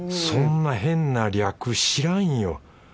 そんな変な略知らんよ。